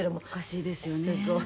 「おかしいですよね」